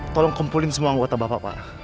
tolong kumpulin semua anggota bapak pak